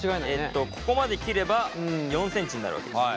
ここまで切れば４ｃｍになるわけです。